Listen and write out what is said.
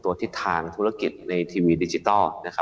ทิศทางธุรกิจในทีวีดิจิทัล